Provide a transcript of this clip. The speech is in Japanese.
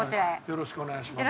よろしくお願いします。